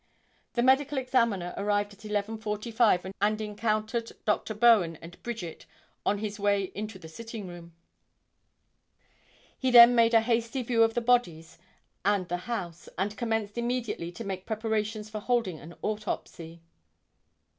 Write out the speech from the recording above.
The Medical Examiner arrived at 11:45 and encountered Dr. Bowen and Bridget on his way into the sitting room. He then made a hasty view of the bodies and the house, and commenced immediately to make preparations for holding an autopsy.